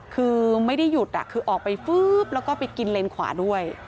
คือไม่ได้หยุดคือออกไปฟื๊บแล้วก็ไปกินเลนขวาด้วย